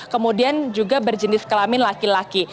kemudian juga berjenis kelamin laki laki